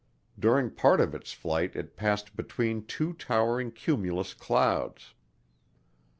During part of its flight it passed between two towering cumulus clouds.